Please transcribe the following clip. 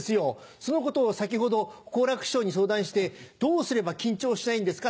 そのことを先ほど好楽師匠に相談してどうすれば緊張しないんですか？